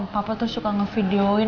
papa tuh suka ngevideoin